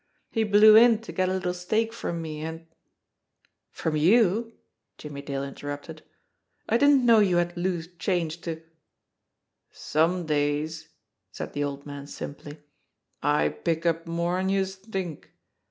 He blew in to get a little stake from me, an' " "From you !" Jimmie Dale interrupted. "I didn't know you had loose change to " "Some days," said the old man simply, "I pick up more'n youse'd t'ink.